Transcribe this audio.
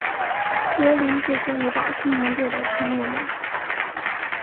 刘麟是健力宝青年队的成员。